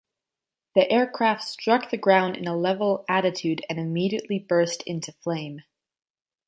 The aircraft struck the ground in a level attitude and immediately burst into flame.